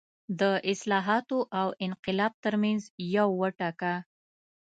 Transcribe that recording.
د اصلاحاتو او انقلاب ترمنځ یو وټاکه.